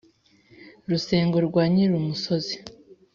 Rusengo rwa Nyirumusozi